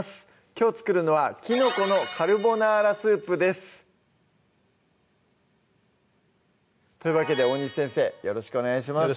きょう作るのは「きのこのカルボナーラスープ」ですというわけで大西先生よろしくお願いします